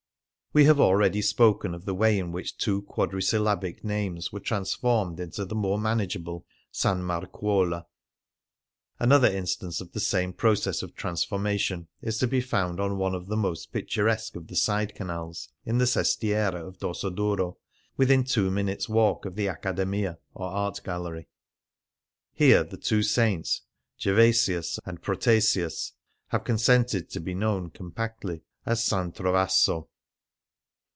We have already spoken of the way in which two quadrisyllabic names were transformed into the more manageable *' S. Marcuola.""* Another instance of the same process of transformation is to be found on one of the most picturesque of the side canals in the sestiere of Dorsoduro, within two minutes' walk of the Accademia, or Art Gallery. Here the two saints Gervasius and Protasius have consented to be known compactly as "S. Trovaso.''